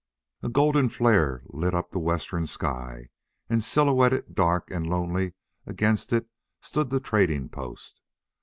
A golden flare lit up the western sky, and silhouetted dark and lonely against it stood the trading post.